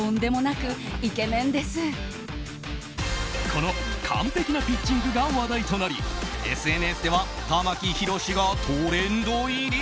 この完璧なピッチングが話題となりＳＮＳでは玉木宏がトレンド入り！